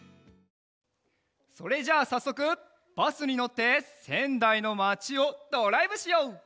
それじゃあさっそくバスにのってせんだいのまちをドライブしよう！